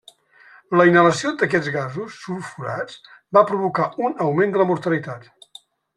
La inhalació d'aquests gasos sulfurats va provocar un augment de la mortalitat.